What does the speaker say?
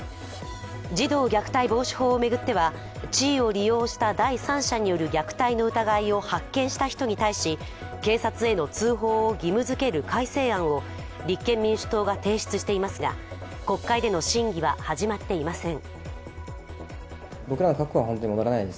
児童虐待防止法を巡っては地位を利用した第三者による虐待の疑いを発見した人に対し警察への通報を義務づける改正案を立憲民主党が提出していますが国会での審議は始まっていません。